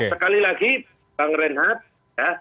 sekali lagi bang reinhardt